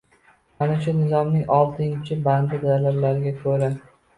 Mana shu Nizomning oltinci bandi talablariga ko‘ra